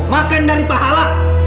makan dari pahala